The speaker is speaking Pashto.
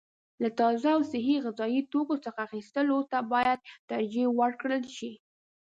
له تازه او صحي غذايي توکو څخه اخیستلو ته باید ترجیح ورکړل شي.